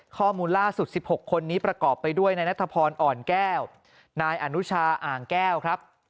ข้อมูลล่าสุด๑๖คนนี้ประกอบไปด้วยนายนัทพรอ่อนแก้วนายอนุชาอ่างแก้วครับ